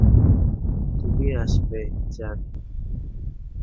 তুমি আসবে, যান।